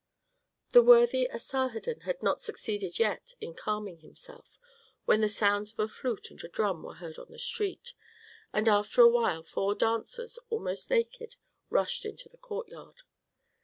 The worthy Asarhadon had not succeeded yet in calming himself when the sounds of a flute and a drum were heard on the street, and after a while four dancers, almost naked, rushed into the courtyard.